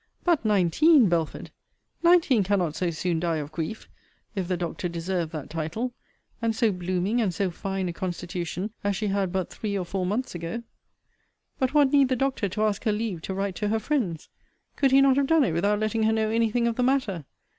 But nineteen, Belford! nineteen cannot so soon die of grief, if the doctor deserve that title; and so blooming and so fine a constitution as she had but three or four months ago! But what need the doctor to ask her leave to write to her friends? Could he not have done it without letting her know any thing of the matter?